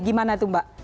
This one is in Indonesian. gimana tuh mbak